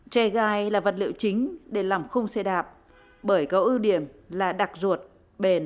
tre gai là vật liệu chính để làm khung xe đạp bởi có ưu điểm là đặc ruột bền